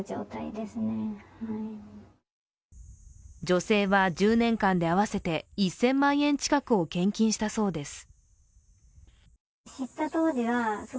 女性は１０年間で合わせて１０００万円近くを献金したそうです。